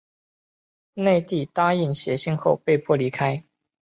内蒂答应写信后被迫离开。